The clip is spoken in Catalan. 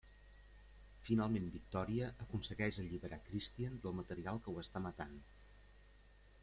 Finalment Victòria aconsegueix alliberar Christian del material que ho està matant.